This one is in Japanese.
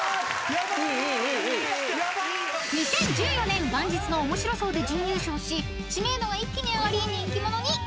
［２０１４年元日の「おもしろ荘」で準優勝し知名度が一気に上がり人気者に］